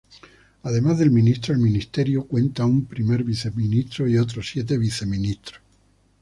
Además del ministro, el Ministerio cuenta un primer viceministro y otros siete viceministros.